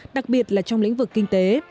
đặc biệt là trong lĩnh vực kinh tế